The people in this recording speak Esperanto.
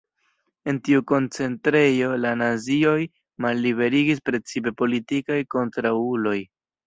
En tiu koncentrejo la nazioj malliberigis precipe politikaj kontraŭuloj.